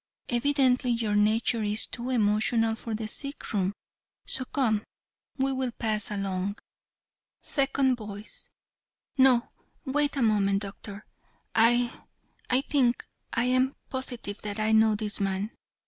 Evidently your nature is too emotional for the sick room, so come, we will pass along." SECOND VOICE: "No, wait a moment, Doctor. I I think I am positive that I know this man.